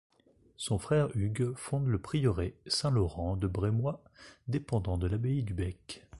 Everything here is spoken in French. Son frère Hugues fonde le prieuré Saint-Laurent de Brémoy, dépendant de l'abbaye du Bec.